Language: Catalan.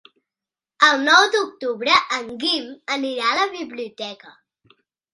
El nou d'octubre en Guim anirà a la biblioteca.